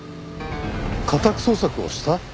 家宅捜索をした？